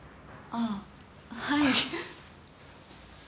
ああはい。